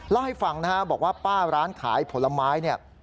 เล่าให้ฟังนะฮะบอกว่าป้าร้านขายผลไม้เนี่ย